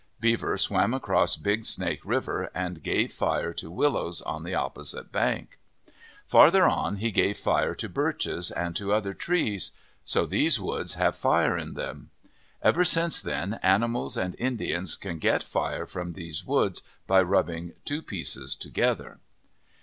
Beaver swam across Big Snake River and gave fire to Willows on the opposite bank. Farther on he gave fire to Birches and to other trees. So these woods have fire in them. Ever since then animals and Indians can get fire from these woods by rubbing two pieces together.